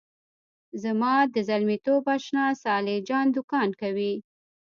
زما د زلمیتوب آشنا صالح جان دوکان کوي.